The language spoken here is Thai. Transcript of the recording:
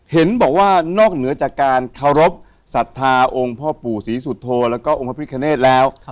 เห็นบอกว่านอกเหนือจากการเคารพสัทธาองค์พ่อปู่ศรีสุโธแล้วก็องค์พระพิคเนธแล้ว